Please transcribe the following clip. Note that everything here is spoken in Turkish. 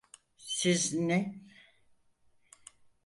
Siz ne…